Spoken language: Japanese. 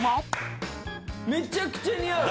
めちゃくちゃ似合う！